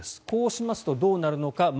こうしますとどうなるのか。